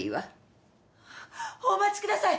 お待ちください！